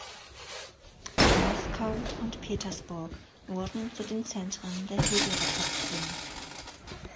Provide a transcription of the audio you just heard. Moskau und Petersburg wurden zu den Zentren der Hegel-Rezeption.